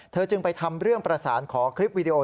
จึงไปทำเรื่องประสานขอคลิปวิดีโอ